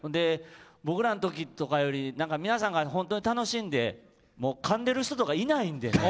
僕らの時とかより皆さんが本当に楽しんでかんでる人とかいないんでね。